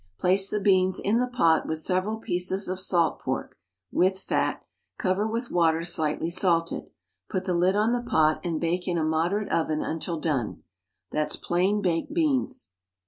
Place the beans in the pot with several pieces of salt pork (with fat), cover with water slightly salted. Put the lid on the pot and bake in a moderate oven until done. That's plain baked beans.